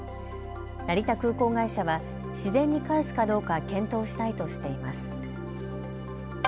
成田空港会社は自然に帰すかどうか検討したいとしています。